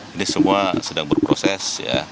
ini semua sedang berproses